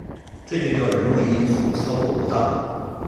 这就叫人为因素操作不当